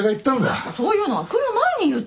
そういうのは来る前に言ってよ。